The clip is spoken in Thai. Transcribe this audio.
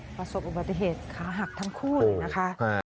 ประสบอุบัติเหตุขาหักทั้งคู่เลยนะคะ